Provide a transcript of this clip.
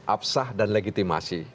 absah dan legitimasi